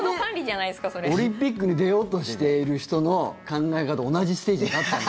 なんで、オリンピックに出ようとしている人の考え方と同じステージに立ったの？